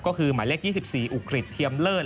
ก็คือหมายเลข๒๔อุกฤษเทียมเลิศ